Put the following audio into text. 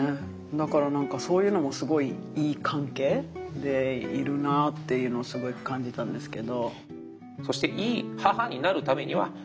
だから何かそういうのもすごいいい関係でいるなっていうのをすごい感じたんですけど。